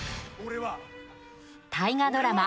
大河ドラマ